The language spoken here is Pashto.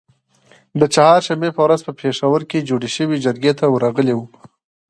د چهارشنبې په ورځ په پیښور کې جوړی شوې جرګې ته ورغلي وو